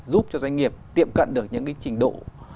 giúp cho doanh nghiệp tiệm cận được những cái trình độ